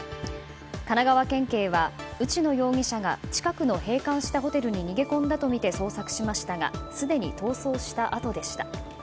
神奈川県警は、内野容疑者が近くの閉館したホテルに逃げ込んだとみて捜索しましたがすでに逃走したあとでした。